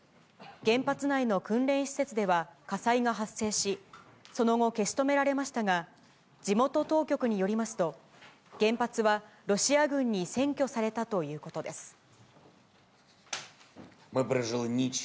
原発内の訓練施設では火災が発生し、その後、消し止められましたが、地元当局によりますと、原発はロシア軍に占拠されたということです。